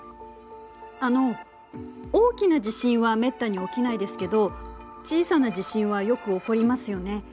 あの大きな地震はめったに起きないですけど小さな地震はよく起こりますよね。